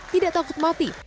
tidak takut mati